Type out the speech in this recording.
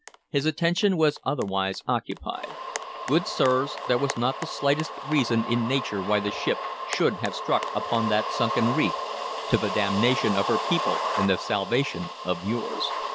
His attention was otherwise occupied. Good sirs, there was not the slightest reason in nature why the ship should have struck upon that sunken reef, to the damnation of her people and the salvation of yours.